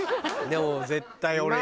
でも絶対俺。